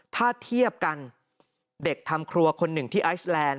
ถ้าเทียบกันเด็กทำครัวคนหนึ่งที่ไอซแลนด